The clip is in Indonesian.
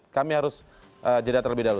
kami harus jeda terlebih dahulu